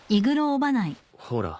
ほら。